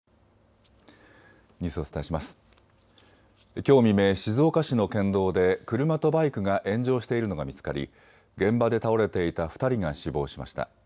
きょう未明、静岡市の県道で車とバイクが炎上しているのが見つかり現場で倒れていた２人が死亡しました。